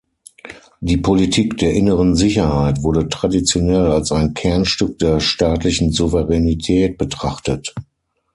Die Politik der inneren Sicherheit wurde traditionell als ein Kernstück der staatlichen Souveränität betrachtet.